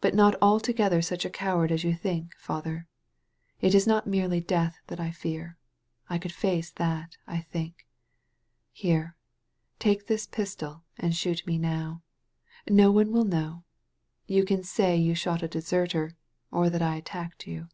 But not altogether such a coward as you think. Father. It is not merely death that I fear. I could face that, I think. Here, take this pistol and shoot me now ! No one wiU know. You can say you shot a deserter, or that I attacked you.